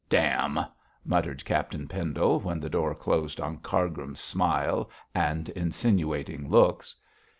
'Damn!' muttered Captain Pendle, when the door closed on Cargrim's smile and insinuating looks.